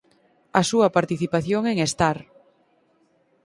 A súa participación en "Star!